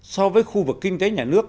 so với khu vực kinh tế nhà nước